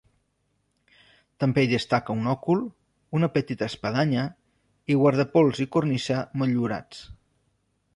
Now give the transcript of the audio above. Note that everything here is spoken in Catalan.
També hi destaca un òcul, una petita espadanya i guardapols i cornisa motllurats.